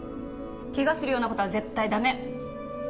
怪我するような事は絶対駄目！